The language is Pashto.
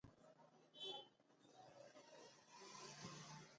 احمد مې دین په دنیا ورور دی.